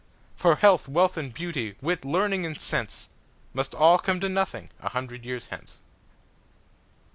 For health, wealth and beauty, wit, learning and sense, Must all come to nothing a hundred years hence.